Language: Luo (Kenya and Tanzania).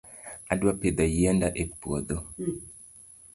Adwa pidho yiende e puodho